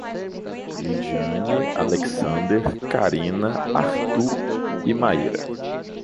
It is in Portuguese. Lidiane, Alexander, Carina, Artu e Mayra